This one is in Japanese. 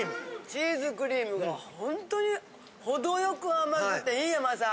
チーズクリームがほんとにほどよく甘くていい甘さ。